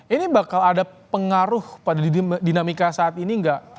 ini bakal ada pengaruh pada dinamika saat ini nggak